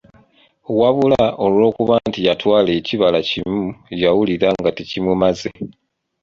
Wabula olw'okuba nti yatwala ekibala kimu, yawulira nga tekimumaze.